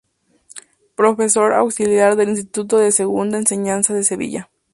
Profesor auxiliar del Instituto de Segunda Enseñanza de Sevilla.